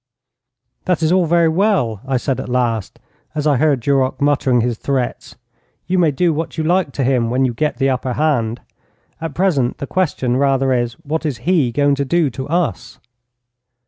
'That is all very well,' I said at last, as I heard Duroc muttering his threats. 'You may do what you like to him when you get the upper hand. At present the question rather is, what is he going to do to us?'